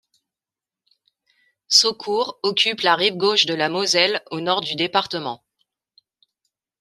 Socourt occupe la rive gauche de la Moselle au nord du département.